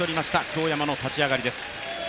京山の立ち上がりです。